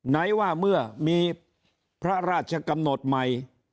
ไหนว่าเมื่อมีพระราชกำหนดใหม่